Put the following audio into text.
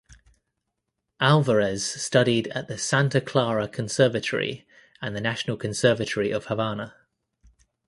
Alvarez studied at the Santa Clara Conservatory and the National Conservatory of Havana.